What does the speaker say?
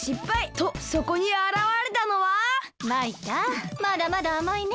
とそこにあらわれたのは・マイカまだまだあまいね。